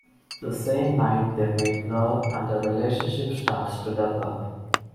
The same night they make love and their relationship starts to develop.